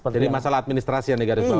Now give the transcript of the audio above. jadi masalah administrasi yang digarisbawahi